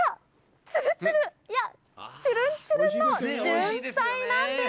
つるつる、いや、ちゅるんちゅるんのジュンサイなんです。